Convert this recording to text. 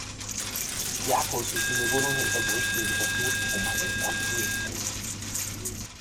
Die Akkus müssen nur so lange überbrücken, bis das Notstromaggregat angesprungen ist.